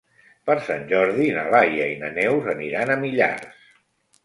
Per Sant Jordi na Laia i na Neus aniran a Millars.